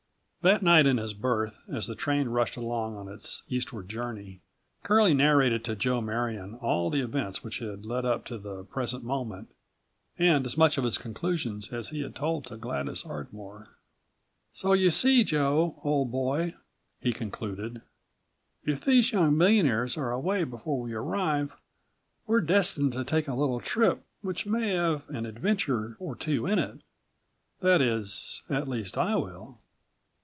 That night in his berth, as the train rushed along on its eastward journey, Curlie narrated to Joe Marion all the events which had led up to the present moment, and as much of his conclusions as he had told to Gladys Ardmore. "So you see, Joe, old boy," he concluded, "if those young millionaires are away before we arrive we're destined to take a little trip which may have an adventure or two in it; that is, at least I will."